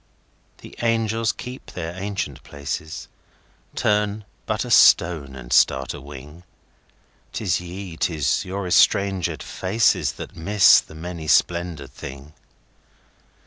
The angels keep their ancient places;—Turn but a stone, and start a wing!'Tis ye, 'tis your estrangèd faces, That miss the many splendoured thing.